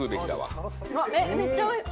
奈緒：めっちゃおいしい。